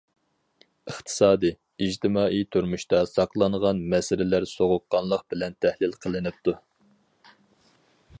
ئىقتىسادىي، ئىجتىمائىي تۇرمۇشتا ساقلانغان مەسىلىلەر سوغۇققانلىق بىلەن تەھلىل قىلىنىپتۇ.